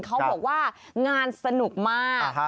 เขาบอกว่างานสนุกมาก